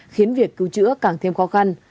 khiến việc cứu chữa càng thêm khó khăn